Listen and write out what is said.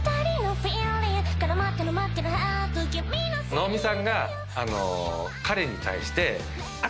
直美さんが彼に対して。